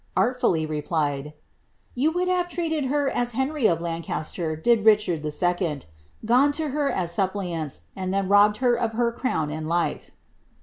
artfully replied, " You would have treated li« as Henry of Lancaster did Richard II. — gone to her as suppliants, and then robbed her of her crown and life."